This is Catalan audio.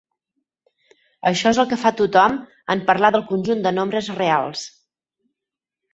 Això és el que fa tothom en parlar "del conjunt de nombres reals".